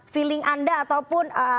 feeling anda ataupun